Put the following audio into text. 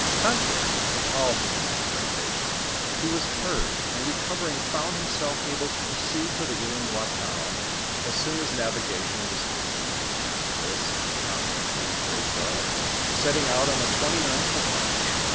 Contrary to all human expectation he was heard and recovering found himself able to proceed to the TMnois town as soon as navigation was free ; this he accom plished in great joy, setting out on the 29th of March.